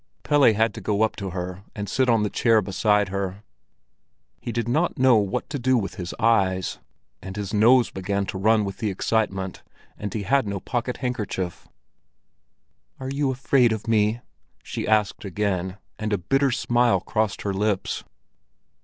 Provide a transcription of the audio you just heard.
Pelle had to go up to her and sit on the chair beside her. He did not know what to do with his eyes; and his nose began to run with the excitement, and he had no pocket handkerchief. "Are you afraid of me?" she asked again, and a bitter smile crossed her lips.